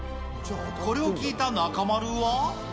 これを聞いた中丸は。